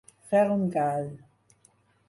Fer un gall.